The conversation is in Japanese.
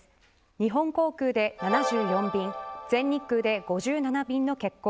日本航空で７４便全日空で５７便の欠航。